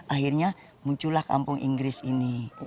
akhirnya muncullah kampung inggris ini